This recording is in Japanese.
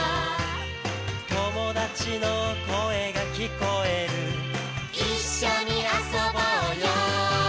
「友達の声が聞こえる」「一緒に遊ぼうよ」